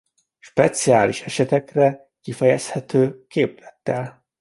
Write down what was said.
Speciális esetekre kifejezhető képlettel.